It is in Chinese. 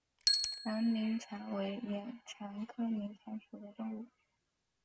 囊明蚕为眼蚕科明蚕属的动物。